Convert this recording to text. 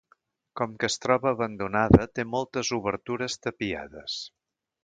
Com que es troba abandonada té moltes obertures tapiades.